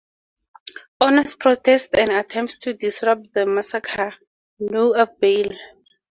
Honus protests and attempts to disrupt the massacre, to no avail.